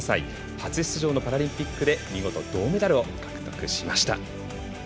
初出場のパラリンピックで見事、銅メダルを獲得しました。